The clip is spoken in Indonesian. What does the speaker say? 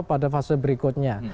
pada fase berikutnya